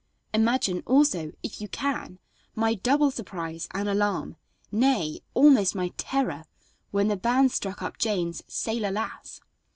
Imagine, also, if you can, my double surprise and alarm, nay, almost my terror, when the band struck up Jane's "Sailor Lass."